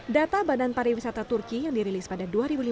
data badan pariwisata turki yang dirilis pada dua ribu lima belas